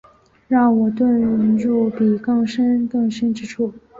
让我遁入比更深更深之处